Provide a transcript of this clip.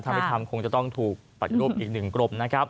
ถ้าไม่ทำคงจะต้องถูกปฏิรูปอีกหนึ่งกรมนะครับ